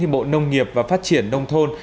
bộ nông nghiệp và phát triển nông thôn